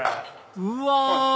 うわ！